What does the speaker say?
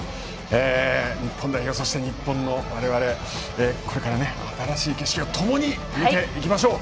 日本代表そして日本の我々これから新しい景色をともに見ていきましょう。